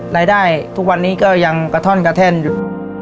รายได้ทุกวันนี้ก็ยังกระท่อนกระแท่นอยู่